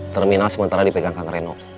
terminal sementara dipegang kang renov